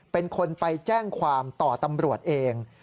เป็นคนไปแจ้งความต่อตำรวจเอง